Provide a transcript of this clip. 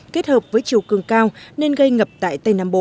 kết hợp với chiều cường cao nên gây ngập tại tây nam bộ